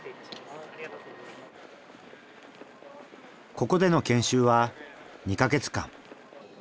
ここでの研修は２か月間。